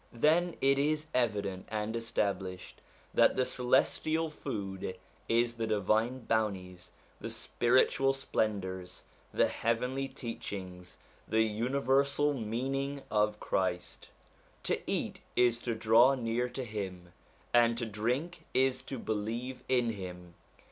Then it is evident and established that the celestial food is the divine bounties, the spiritual splendours, the heavenly teach ings, the universal meaning of Christ. To eat is to draw near to him, and to drink is to believe in him.